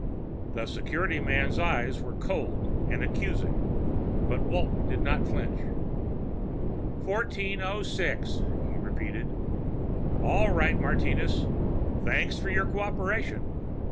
The security man's eyes were cold and accusing, but Walton did not flinch. "1406?" he repeated. "All right, Martinez. Thanks for your cooperation."